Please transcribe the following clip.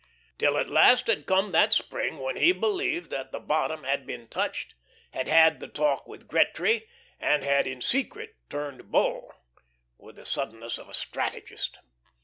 Till at last had come that spring when he believed that the bottom had been touched, had had the talk with Gretry, and had, in secret, "turned Bull," with the suddenness of a strategist.